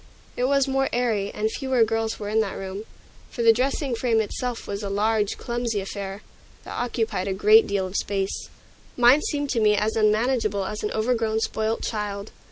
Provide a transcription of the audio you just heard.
It was more airy, and fewer girls were in the room, for the dressing frame itself was a large, clumsy affair, that occupied a great deal of space. Mine seemed to me as unmanageable as an overgrown spoilt child.